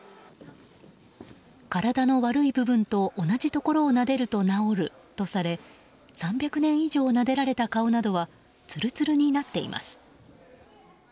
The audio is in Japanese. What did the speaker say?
体の悪い部分と同じところを撫でると治るとされ３００年以上撫でられた顔などはつるつるになっています。